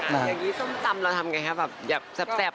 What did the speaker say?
อย่างนี้ส้มตำเราทำยังไงแบบอย่าแซ่บ